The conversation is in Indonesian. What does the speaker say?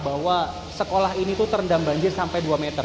bahwa sekolah ini tuh terendam banjir sampai dua meter